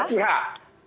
oleh banyak pihak